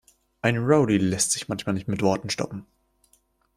Ein Rowdy lässt sich manchmal nicht mit Worten stoppen.